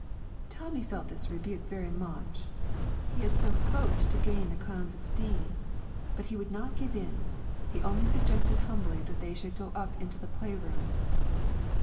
Tommy felt this rebuke very much, he had hoped so to gain the clown's esteem; but he would not give in, he only suggested humbly that they should go up into the play room.